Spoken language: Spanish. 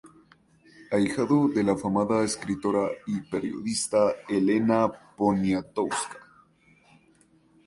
Ahijado de la afamada escritora y periodista, Elena Poniatowska.